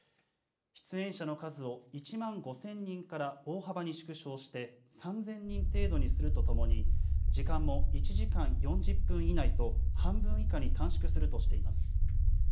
出演者の数を１万５０００人から大幅に縮小して３０００人程度にするとともに、時間も１時間４０分以内と、半分以下に短縮するとしています。